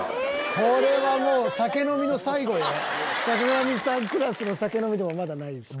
これはもう坂上さんクラスの酒飲みでもまだないですか？